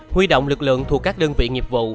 huy động lực lượng thuộc các đơn vị nghiệp vụ